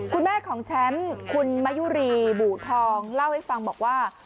คุณแม่ของแชมป์คุณมะยุรีบู่ทองเล่าให้ฟังบอกว่า